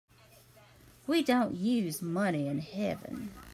We don't use money in heaven.